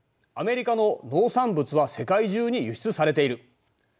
アメリカの農産物は世界中に輸出されている。